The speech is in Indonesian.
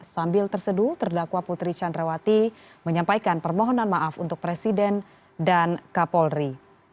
sambil terseduh terdakwa putri candrawati menyampaikan permohonan maaf untuk presiden dan kapolri